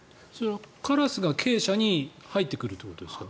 カラスが鶏舎に入ってくるってことですか？